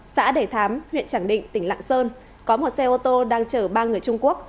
xã đề thám huyện tràng định tỉnh lạng sơn có một xe ô tô đang chở ba người trung quốc